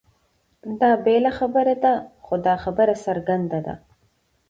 دا بېله خبره ده؛ خو دا خبره څرګنده ده،